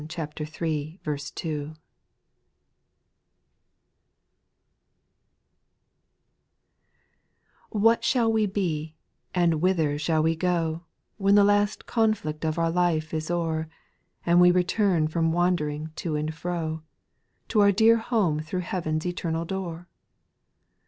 TTTH AT shall we be, and whither shall we go, T f When the last conflict of our life is o'er, And we return from wandering to and fro, To our dear home thro' heaven's eternal door?